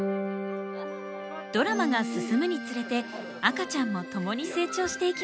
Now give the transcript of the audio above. ドラマが進むにつれて赤ちゃんも共に成長していきます。